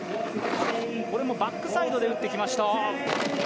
これもバックサイドでうってきました。